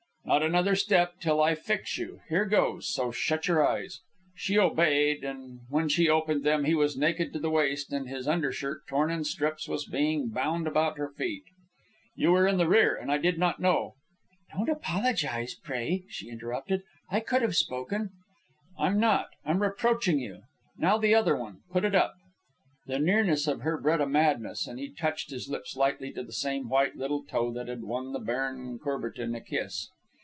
"Not another step till I fix you. Here goes, so shut your eyes." She obeyed, and when she opened them he was naked to the waist, and his undershirt, torn in strips, was being bound about her feet. "You were in the rear, and I did not know " "Don't apologize, pray," she interrupted. "I could have spoken." "I'm not; I'm reproaching you. Now, the other one. Put it up!" The nearness to her bred a madness, and he touched his lips lightly to the same white little toe that had won the Baron Courbertin a kiss.